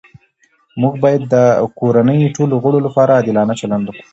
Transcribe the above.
موږ باید د کورنۍ ټولو غړو لپاره عادلانه چلند وکړو